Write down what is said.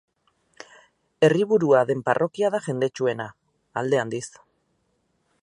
Herriburua den parrokia da jendetsuena, alde handiz.